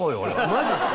マジですか？